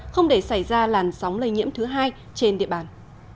không để xảy ra làn sóng lây nhiễm thứ hai trên địa bàn